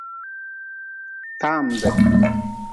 Tambe.